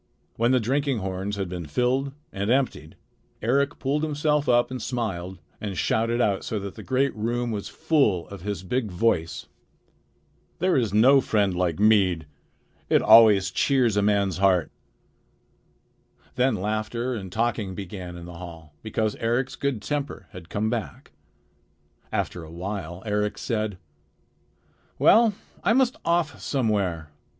When the drinking horns had been filled and emptied, Eric pulled himself up and smiled and shouted out so that the great room was full of his big voice: "There is no friend like mead. It always cheers a man's heart." [Illustration: "He looked straight ahead of him and scowled"] Then laughter and talking began in the hall because Eric's good temper had come back. After a while Eric said: "Well, I must off somewhere.